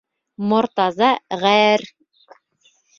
Мортаза ғәр.